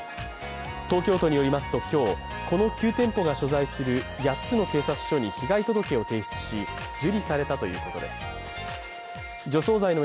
東京都によりますと今日、この９店舗が所在する８つの警察署に被害届を提出し、受理されたということです。